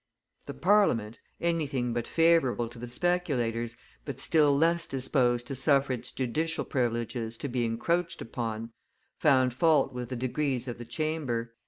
The Parliament, anything but favorable to the speculators, but still less disposed to suffer its judicial privileges to be encroached upon, found fault with the degrees of the Chamber.